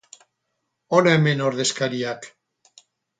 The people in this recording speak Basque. Hona hemen ordezkariak.